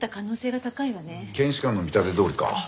検視官の見立てどおりか。